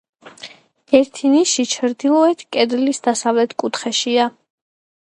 ერთი ნიში ჩრდილოეთ კედლის დასავლეთ კუთხეშია.